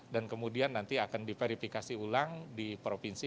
dan kemudian nanti akan diverifikasi ulang di provinsi